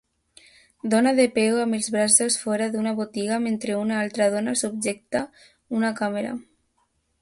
Dona de peu amb els braços fora d'una botiga mentre una altra dona subjecta una càmera.